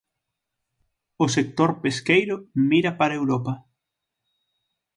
O sector pesqueiro mira para Europa.